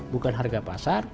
bukan harga pasar